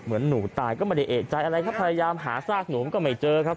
เหมือนหนูตายก็ไม่ได้เอกใจอะไรครับพยายามหาซากหนูก็ไม่เจอครับ